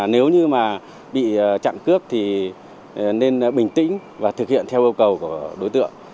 nếu như mà bị chặn cướp thì nên bình tĩnh và thực hiện theo yêu cầu của đối tượng